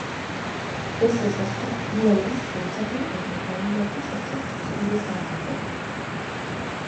Ez ezazu bi aldiz pentsatu eta animatu zaitez, zure zain gaude!